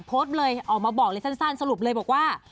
โพสต์เลยออกมาบอกเลยสั้นสรุปเลยบอกว่า